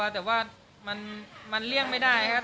แต่ว่ามันเลี่ยงไม่ได้ครับ